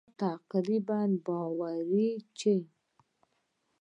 نو دا تقريباً باوري ده چې نه يې شې ګټلای.